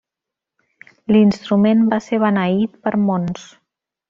L'instrument va ser beneït per Mons.